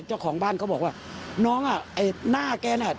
เจ้าของบ้านเขาบอกว่าน้องอ่ะไอ้หน้าแกน่ะ